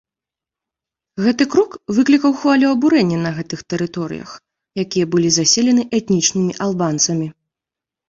Гэты крок выклікаў хвалю абурэння на гэтых тэрыторыях, якія былі заселены этнічнымі албанцамі.